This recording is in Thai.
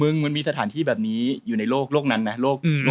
มึงมันมีสถานที่แบบนี้อยู่ในโลกโลกนั้นนะโลกอืม